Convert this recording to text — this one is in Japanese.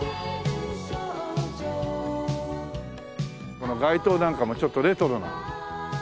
この街灯なんかもちょっとレトロな。